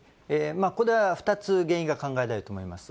これは２つ原因が考えられると思います。